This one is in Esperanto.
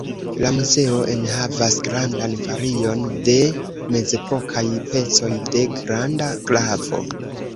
La muzeo enhavas grandan varion de mezepokaj pecoj de granda gravo.